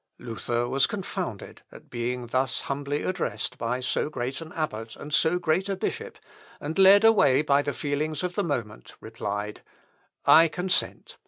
Luther was confounded at being thus humbly addressed by so great an abbot and so great a bishop, and led away by the feelings of the moment, replied, "I consent.